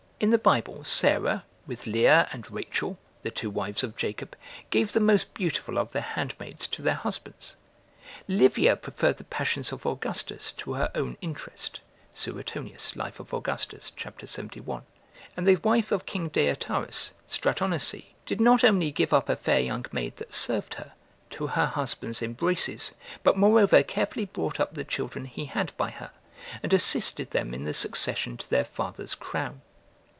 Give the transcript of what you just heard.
In the Bible, Sarah, with Leah and Rachel, the two wives of Jacob, gave the most beautiful of their handmaids to their husbands; Livia preferred the passions of Augustus to her own interest; [Suetonius, Life of Augustus, c. 71.] and the wife of King Deiotarus, Stratonice, did not only give up a fair young maid that served her to her husband's embraces, but moreover carefully brought up the children he had by her, and assisted them in the succession to their father's crown.